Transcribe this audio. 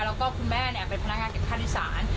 แล้วก็คุณแม่เป็นพนักงานเก็บค่าโดยสาร